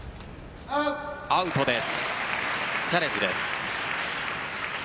アウトです。